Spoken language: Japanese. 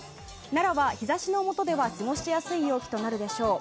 奈良は日差しのもとでは過ごしやすい陽気となるでしょう。